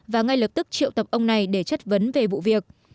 và ngay lập tức triệu tập ông này để chất vấn về vụ việc